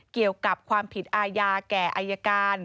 เกี่ยวกับความผิดอาญาแก่อายการ